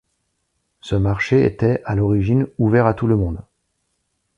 Ce marché était, à l'origine, ouvert à tout le monde.